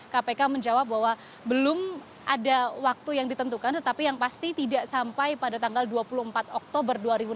kpk menjawab bahwa belum ada waktu yang ditentukan tetapi yang pasti tidak sampai pada tanggal dua puluh empat oktober dua ribu dua puluh